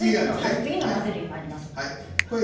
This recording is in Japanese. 次の混ぜるに、まいりましょう。